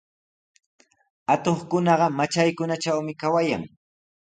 Atuqkunaqa matraykunatrawmi kawayan.